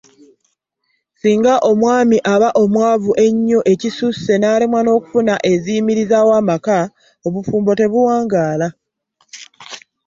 Singa omwami aba omwavu ennyo ekisusse n’alemwa okufuna ebiyimirizaawo amaka, obufumbo tebuwangaala.